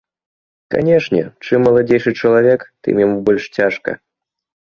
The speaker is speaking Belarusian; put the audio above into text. Канешне, чым маладзейшы чалавек, тым яму больш цяжка.